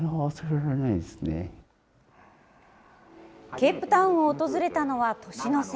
ケープタウンを訪れたのは年の瀬。